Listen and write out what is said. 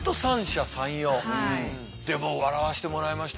でも笑わしてもらいました。